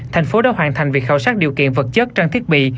thành phố đã hoàn thành việc khảo sát điều kiện vật chất trang thiết bị